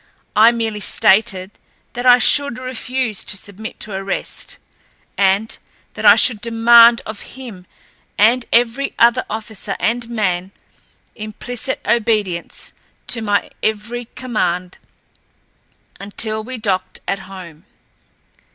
I merely stated that I should refuse to submit to arrest, and that I should demand of him and every other officer and man implicit obedience to my every command until we docked at home.